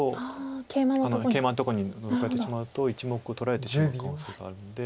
ケイマのとこにノゾかれてしまうと１目を取られてしまう可能性があるので。